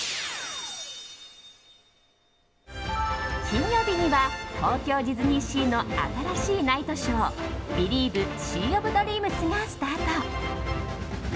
金曜日には東京ディズニーシーの新しいナイトショー「ビリーヴ！シー・オブ・ドリームス」がスタート！